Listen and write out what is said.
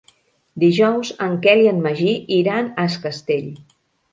Dijous en Quel i en Magí iran a Es Castell.